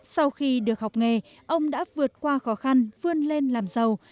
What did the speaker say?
sau khi được học nghề ông đã vượt qua khó khăn vươn lên làm giàu